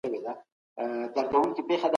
اقتصادي وده يوه اوږده پروسه ده.